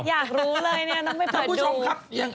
อยากรู้เลยเนี่ยต้องไปเปิดดู